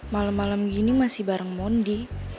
malam malam gini masih bareng mondi